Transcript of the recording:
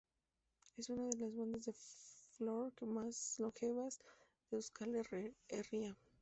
Es una de las bandas de folk más longevas de Euskal Herria.